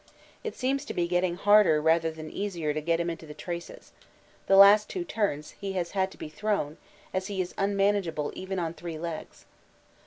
It seems to be getting harder rather than easier to get him into the traces; the last two turns, he has had to be thrown, as he is unmanageable even on three legs.